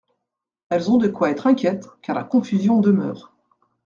Elles ont de quoi être inquiètes, car la confusion demeure.